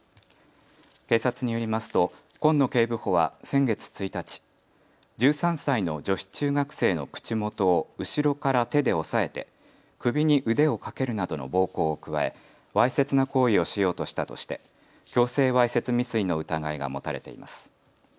警察によりますと今野警部補は先月１日、１３歳の女子中学生の口元を後ろから手で押さえて首に腕をかけるなどの暴行を加えわいせつな行為をしようとしたとして強制わいせつ未遂の疑いが持たれています。